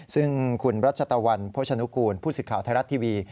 ซึ่งคุณรัชตะวันโภชนุกูลผู้สื่อข่าวไทยรัฐทีวี